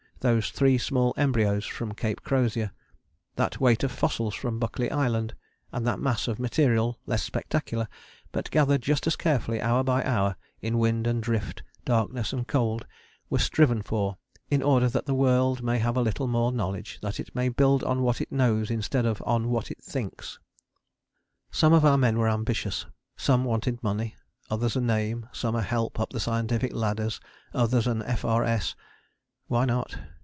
Those three small embryos from Cape Crozier, that weight of fossils from Buckley Island, and that mass of material, less spectacular, but gathered just as carefully hour by hour in wind and drift, darkness and cold, were striven for in order that the world may have a little more knowledge, that it may build on what it knows instead of on what it thinks. Some of our men were ambitious: some wanted money, others a name; some a help up the scientific ladder, others an F.R.S. Why not?